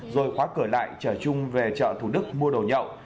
rồi khóa cửa lại trở chung về chợ thủ đức mua đồ nhậu